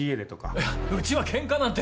いやうちはケンカなんて！